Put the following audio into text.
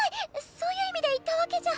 そういう意味で言ったわけじゃ！